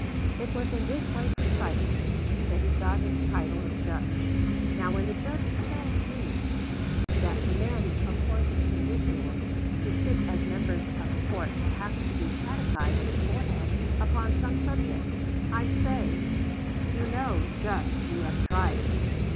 It was in this way precisely that he got his title of judge. Now, when the Judge tells me that men appointed conditionally to sit as members of a court will have to be catechised beforehand upon some subject, I say, "You know, Judge; you have tried it."